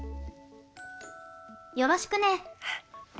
よろしくねー！